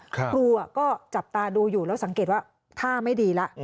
ครูก็จับตาดูอยู่แล้วสังเกตว่าท่าไม่ดีแล้ว